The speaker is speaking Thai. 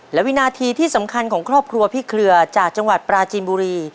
และวินาทีที่สำคัญของครอบครัวพี่เครือจากจังหวัดปราจีนบุรี